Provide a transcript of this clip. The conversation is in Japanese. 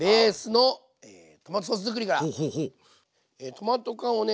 トマト缶をね